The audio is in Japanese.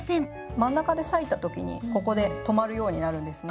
真ん中で裂いた時にここで止まるようになるんですね。